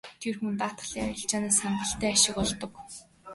Тэр хүн даатгалын арилжаанаас хангалттай ашиг олдог.